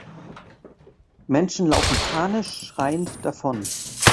Menschen laufen panisch schreiend davon.